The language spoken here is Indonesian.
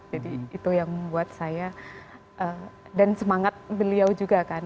itu yang membuat saya dan semangat beliau juga kan